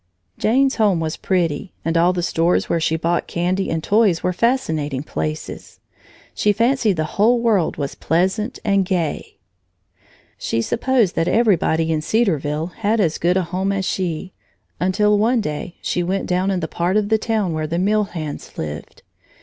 Jane's home was pretty and all the stores where she bought candy and toys were fascinating places. She fancied the whole world was pleasant and gay. She supposed that everybody in Cedarville had as good a home as she, until one day she went down in the part of the town where the mill hands lived.